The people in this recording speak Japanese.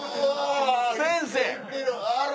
先生！